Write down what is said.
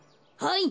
はい！